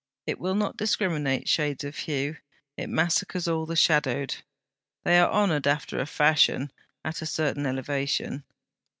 It will not discriminate shades of hue, it massacres all the shadowed. They are honoured, after a fashion, at a certain elevation.